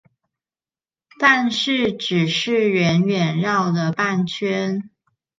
但是只是遠遠繞了半圈